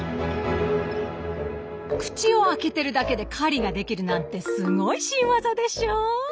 口を開けてるだけで狩りができるなんてすごい新ワザでしょ。